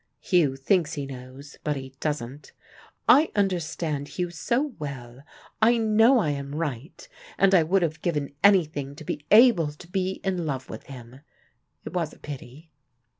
Hugh thinks he knows, but he doesn't. I understand Hugh so well: I know I am right. And I would have given anything to be able to be in love with him. It was a pity!"